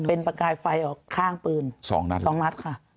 เป็นประกายไฟออกข้างปืน๒นัด๒นัดค่ะ